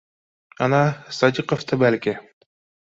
— Ана, Садиҡовты, бәлки